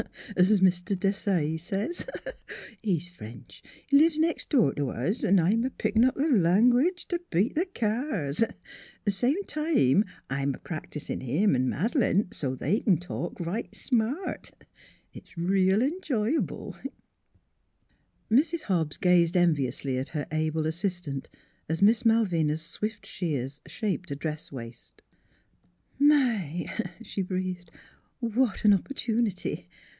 es Mr. Dassay says. He's French; lives right nex' door t' us, 'n' I'm a pickin' up th' lan guidge t' beat th' cars; same time I'm a pract'isin' him an' Mad'lane so 't they c'n talk right smart. It's reel enjoyable." Mrs. Hobbs gazed enviously at her able as sistant, as Miss Malvina's swift shears shaped a dress waist. " My! " she breathed, "what an opportunity!